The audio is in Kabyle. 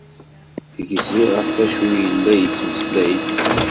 Gziɣ ɣef acu i yella yettmeslay-d.